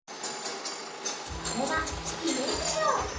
それがひめじじょう！